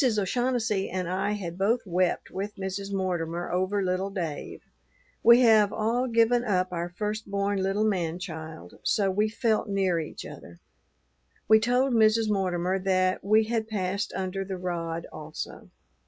Mrs. O'Shaughnessy and I had both wept with Mrs. Mortimer over little Dave. We have all given up our first born little man child; so we felt near each other. We told Mrs. Mortimer that we had passed under the rod also.